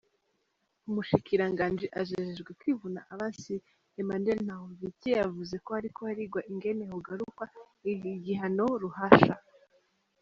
umushikiranganji ajejwe kwivuna abansi Emmanuel Ntahomvikiye yavuze ko hariko harigwa ingene hogarukawa igihano ruhasha.